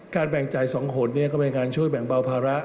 แบ่งจ่าย๒หนก็เป็นการช่วยแบ่งเบาภาระ